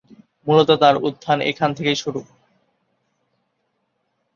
মূলত তার উত্থান এখান থেকেই শুরু।